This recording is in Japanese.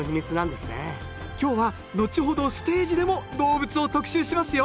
今日は後ほどステージでも動物を特集しますよ。